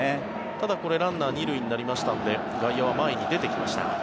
ただランナー２塁になりましたので外野は前に出てきました。